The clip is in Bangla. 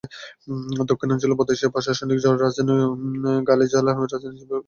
দক্ষিণাঞ্চলীয় প্রদেশের প্রশাসনিক রাজধানী ও গালে জেলার রাজধানী হিসেবে এ শহরটি মর্যাদা পাচ্ছে।